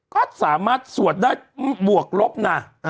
ก็สามารถสวดได้บวกลบนะ